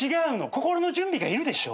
心の準備がいるでしょ？